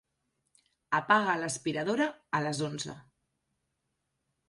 Apaga l'aspiradora a les onze.